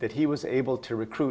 dan dia dapat mengekrut